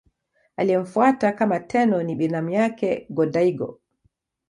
Aliyemfuata kama Tenno ni binamu yake Go-Daigo.